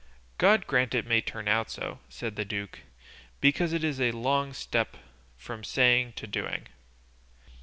"God grant it may turn out so," said the duke; "because it's a long step from saying to doing."